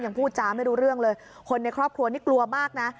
พูดจาไม่รู้เรื่องเลยคนในครอบครัวนี่กลัวมากนะ